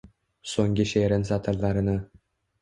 So’nggi she’rin satrlarini.